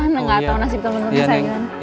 gak tau nasib temen temen saya gimana